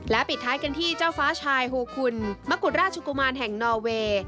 ปิดท้ายกันที่เจ้าฟ้าชายโฮคุณมะกุฎราชกุมารแห่งนอเวย์